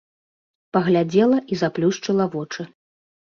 Паглядзела і заплюшчыла вочы.